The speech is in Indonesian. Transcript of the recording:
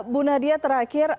bu nadia terakhir